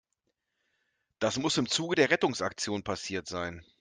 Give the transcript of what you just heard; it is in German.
Das muss im Zuge der Rettungsaktion passiert sein.